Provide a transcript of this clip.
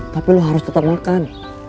tapi lo harus tetap makan